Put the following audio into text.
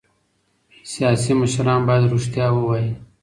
سیاسي مشران باید رښتیا ووايي